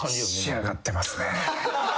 仕上がってますね。